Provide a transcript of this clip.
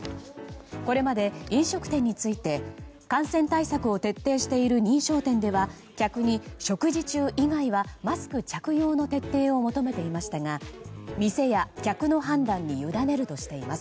これまで飲食店について感染対策を徹底している認証店では客に食事中以外はマスク着用の徹底を求めていましたが店や客の判断に委ねるとしています。